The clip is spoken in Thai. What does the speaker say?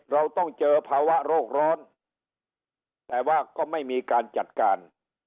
เราต้องเจอภาวะโรคร้อนแต่ว่าก็ไม่มีการจัดการ